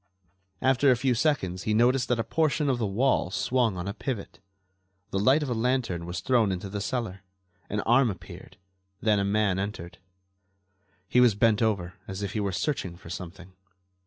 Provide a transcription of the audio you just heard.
After a few seconds he noticed that a portion of the wall swung on a pivot, the light of a lantern was thrown into the cellar, an arm appeared, then a man entered. He was bent over, as if he were searching for something.